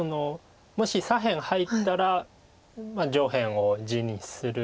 もし左辺入ったら上辺を地にする。